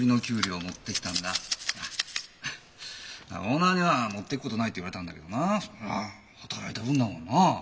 オーナーには「持っていくことない」って言われたんだけどなほら働いた分だもんなあ。